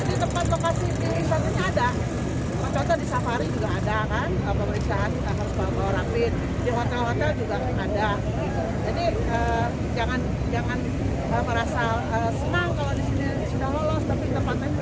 jadi jangan merasa senang kalau disini sudah lolos tapi tempatnya terpas jalan